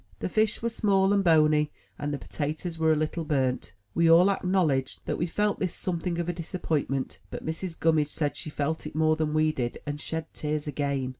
The fish were small and bony, and the potatoes were a little burnt. We all acknowl edged that we felt this something of a disap pointment; but Mrs. Gummidge said she felt it more than we did, and shed tears again.